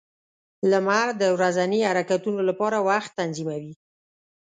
• لمر د ورځني حرکتونو لپاره وخت تنظیموي.